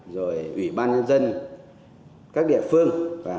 rồi ủy ban nhân dân các địa phương